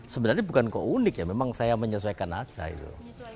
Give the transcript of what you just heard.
sebenarnya bukan kok unik ya memang saya menyesuaikan aja itu